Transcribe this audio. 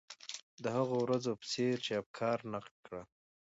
د هغو ورځو په څېر یې افکار نقد کړل.